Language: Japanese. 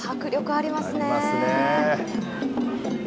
ありますね。